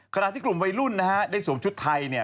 ขณะที่กลุ่มวัยรุ่นนะฮะได้สวมชุดไทยเนี่ย